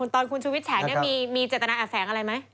ตอนคุณชุวิตแฉมีเจตนาแอบแฝงอะไรไหม